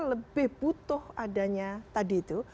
lebih butuh adanya tadi itu